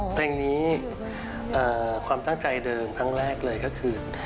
เพลงนี้ความตั้งใจเดิมครั้งแรกเลยก็คือ